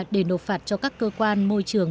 để nộp phạt cho các cơ quan môi trường